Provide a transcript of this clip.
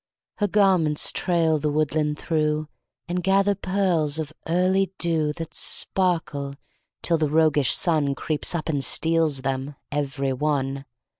Her garments trail the woodland through, And gather pearls of early dew That sparkle till the roguish Sun Creeps up and steals them every one.